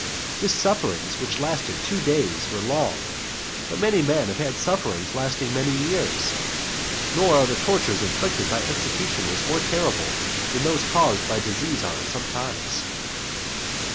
His sufferings, which lasted two days, were long, but many men have had sufferings lasting many years, nor are the tortures inflicted by executioners more terrible than those caused by disease are sometimes.